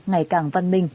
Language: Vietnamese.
ngày càng văn minh